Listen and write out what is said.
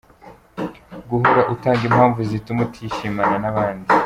Guhora utanga impamvu zituma utishimana n’abandi.